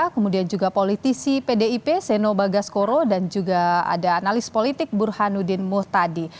kemudian juga politisi pdip seno bagaskoro dan juga ada analis politik burhanuddin muhtadi